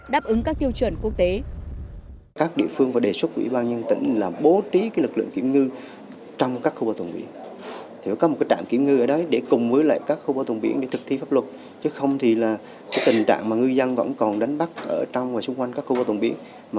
đáp ứng các tiêu chuẩn quốc tế